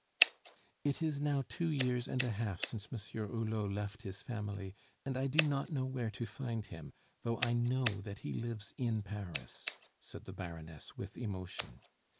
"It is now two years and a half since Monsieur Hulot left his family, and I do not know where to find him, though I know that he lives in Paris," said the Baroness with emotion.